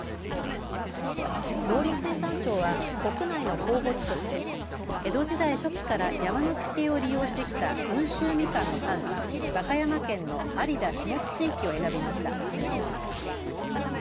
農林水産省は国内の候補地として江戸時代初期から山の地形を利用してきた温州みかんの産地、和歌山県の有田・下津地域を選びました。